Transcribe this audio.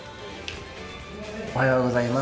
おはようございます。